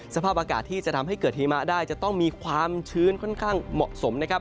สภาพอากาศที่จะทำให้เกิดหิมะได้จะต้องมีความชื้นค่อนข้างเหมาะสมนะครับ